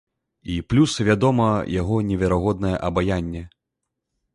І плюс, вядома, яго неверагоднае абаянне.